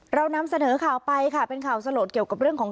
เรานำเสนอข่าวไปค่ะเป็นข่าวสลดเกี่ยวกับเรื่องของ